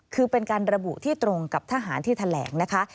คือเป็นการระบุที่ตรงกับทหารที่แถลงนะคะ